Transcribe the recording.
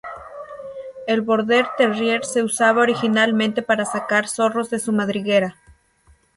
El Border Terrier se usaba originalmente para sacar zorros de su madriguera.